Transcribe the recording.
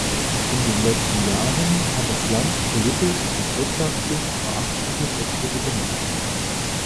In den letzten Jahren hat das Land politisch und wirtschaftlich beachtliche Fortschritte gemacht.